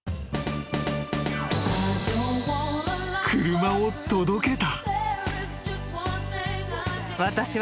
［車を届けた］